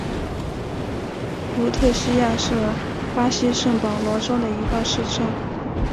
卢特西亚是巴西圣保罗州的一个市镇。